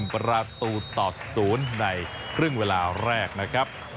ประตูต่อ๐ในครึ่งเวลาแรกนะครับ